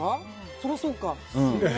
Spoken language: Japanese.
そりゃそうか。